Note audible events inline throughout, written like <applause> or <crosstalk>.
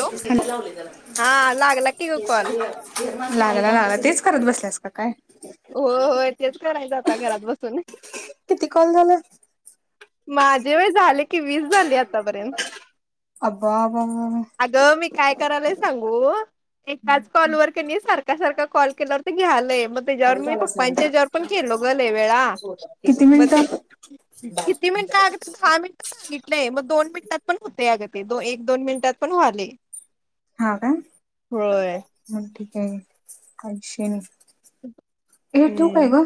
Hello हा लागला की ग कॉल लागला लागला तेच करत बसल्यास का काय? होय होय तेच करायच आता घरात बसून किती कॉल झालं माझे व्हय झाले की वीस झाल्यात ता पर्यंत अबा अबा अग मी काय करलोय सांग हो एकाच कॉलवर कनी सारखा सारखा कॉल केल्यावर ते घ्यालंय म तेज्यावर मी पप्पाच्या हेच्यावर पण केलो ग लई वेळा किती म ते मिनिटं किती मिनिट आगं दहा मिनिट सांगितलंय म दोन मिनिटात पण होतंय अग ते एक दोन मिनिटात पण व्हाले हा काय? होय हं ठीक <inaudible> हे ठेवू काय हम्म ग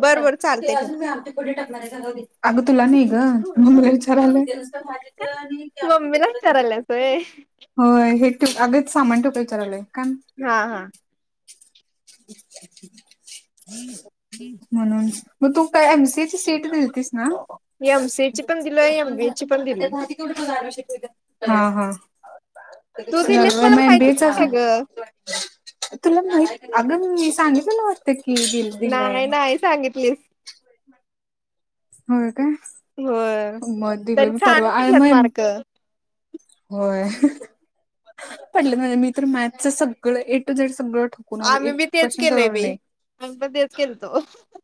बर हं बर ते चालते ठेव अजुन मी आमटी फोडणी टाकणार आहे गं राहूदे आग तुला नाहीं ग हो मम्मीला विचारालय मम्मीला विचारायलास होय होय हे ठेव अग सामान ठेवू काय विचारालोय का हा हा <inaudible> जी जी म्हणून म तू काय एमसीएची सीईटी दिलतीस ना एमसीए ची पण दिलोय एमबीए ची पण दिलोय. हा हा तू दिलेस मग मला माहितीच एमबीएचा नाही अजून गं. तुला माहित अग मी सांगितलेलो वाट नाही नाही सांगितलीस <inaudible> होय काय होय मग तर दिलोय मी छान परवा आ म पडल्यात मार्क होय. पडलं म्हणजे मी तर मॅथचं सगळं ए टू झेड सगळं ठोकून आलो आम्ही एक बी तेच क्वेश्चन केलेय सोडवलं बय नाही आम्ही पण तेच केले <inaudible>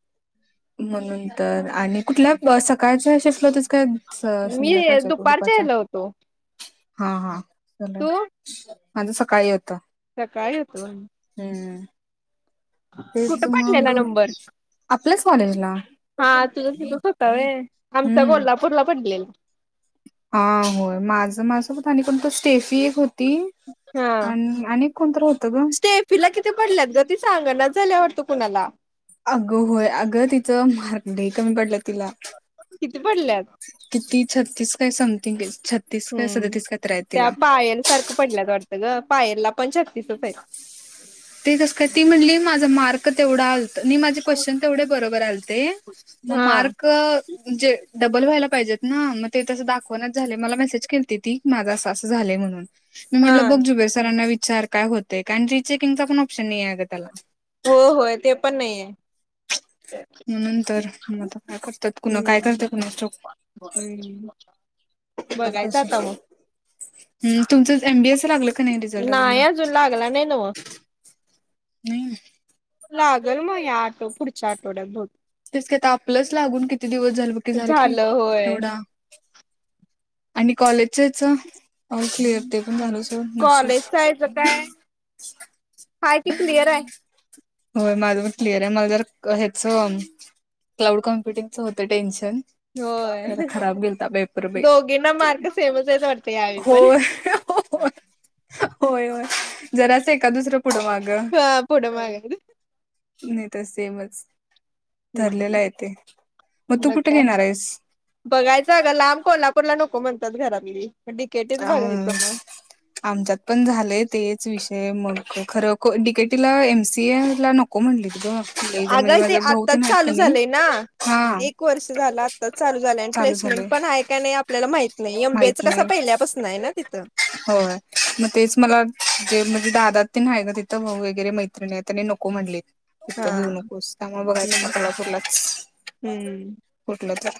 म्हणून तर आणि कुठल्या सकाळच शिपला होतीस काय? मी संध्याकाळच्या तू दुपारच्या हेला होतो. हा हा चला तू माझं सकाळी होत. सकाळी होत वन हूं! कुठ पडलेला नंबर, आपल्याच कॉलेजला हा तुझ दुपत होत व्हय. आमचा कोल्हापूरला पडलेला. हा होय माझं, मासोबत आणि कोनत स्टेफी एक होत हा होतं गं. स्टेफीला किती पडल्यात ग ती सांग ना. झाल्यावाटत कुणाला. अगं होय, अगं तिचं मार्क लई कमी पडल्यात तिला किती पडल्यात? किती? त्यात तीस काय समथिंग गेस. हम्म त्या पायल सारखं पडल्यात वाटतं ग. पायलला पण छत्तीसच आहेत. ते कस काय ती म्हणली माझ मार्क तेवढ आलत, नी माझे क्वशन तेवढे बरोबर आलते मग हा. मार्के जे डबल व्हायला पाहिजेत ना मग ते तसं दाखवणाचं झालय मला मेसेज केलते ती माझं असं, असं झालय म्हणून. मी हा म्हणलं बग जुबेर सरांना वि सार काय होतय कांजीचीक किनचा पण ऑप्शन नही आहे गं त्याला. हो होय ते पण नाहीय. म्हणून तर आता काय करतात कुणा काय हम्म करतोय कुणास ठाऊक हम्म बघायचं आता मग <unintelligible> तुमचा एमबीएस लागल का नाही रिझल्ट अजून नाही मग लागला नाही नव्ह नाही अजून - लागल म या आटो पुढच्या आटवड्यात ब तेस तेत आपलंच लागून किती दिवस झालं बग ते झालं की आठवडा. आणि कॉलेजच्याच? ऑल क्लिअर ते पण झालं सोड कॉलेज जायचं नशीब. काय हाय ती क्लिअर आहे. होय माझं पण क्लिअर आहे. मला जरा ह्याच क्लाउड कॉम्प्युटिंगच होतं टेन्शन. होय जरा खराब गेलता पेपर बाई दोघींना मार्क सेमच आहेत वाटतं यावेळी पण. होय होय, होय जरा अस एका दुसरं पुढ मागं! हा पुढं माग नाही तर सेमच. हं ठरलेलं आहे ते तू मग कुठे काय घेणार आहेस बघायचं गं लांब कोल्हा पर ला नको म्हणतात घरातली. डीकेटीच अ बघायचं मग आमच्यात पण झालेय तेच विषय मग खरं को डीकेटीला, एम सी ए ला नको म्हंनलीत गं! अगं ते आत्ताच चालू झालंय ना. हा एक वर्ष झालं आत्ताच चालू झालंय, आणि चालू प्लेसमेंट झालय पण आहे का नाही आपल्याला माहित नाही एम बी ए चं माहित कसं नाही पहिल्या होय, म तेच मला जे म्हजे दादा तेन हाय ना तिथं म वैगरे मैत्रीणी आहेत तेनी नको म्हणले. हा इतं बी घेऊ नकोस त्यामुळे बघायचं आता हम्म कोल्हापूरलाच हम्म कुटलं तर.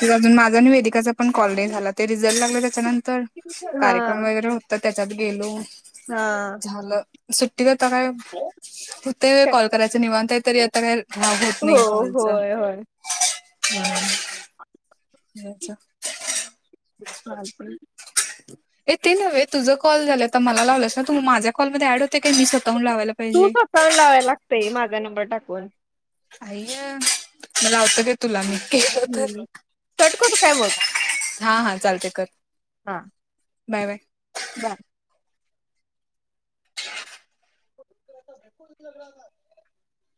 तिला आजून माझं आणि वेदिकाचं पण कॉल नाही झाला ते रीज जायला लागलं त्याच्यानंतर कार्यक्रम हा वगैरे होतात. त्याच्यात गेलो हा झालं. सुट्टी गत ता काय हुतय वय काय कॉल करायचं निवांतय तरी हो आता काही लाभ होत नाही कॉलचा. होय होय हम् <inaudible> <unintelligible> चालतंय ए ते न्हवे तुझ कॉल झाल्या त मला लावलासा तूमी माझ्या कॉलमध्ये ऍड होतय का मि स्वतः हुन लावायला तू पाहिजे. स्वतःहून लावायला लागतंय <unintelligible> अय्या, मला आता कळ तुला मी केलं तर हम्म कट करू काय हां-हां. चालते कर. हां बाय-बाय बा <inaudible>